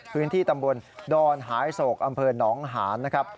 พื้นที่ตำบลดอนหายโศกอำเภอหนองหานนะครับ